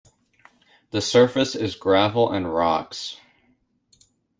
The surface is gravel and rocks.